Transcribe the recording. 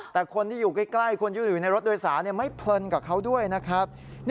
แต่คนที่อยู่ใกล้คนที่อยู่ในรถโดยสารไม่เพลินกับเขาด้วยนะครับ